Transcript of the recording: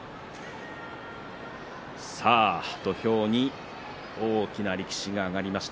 土俵に大きな力士が上がりました。